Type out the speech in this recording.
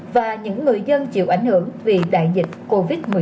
và những người dân chịu ảnh hưởng vì đại dịch covid một mươi chín